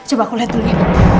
coba aku liat dulu ya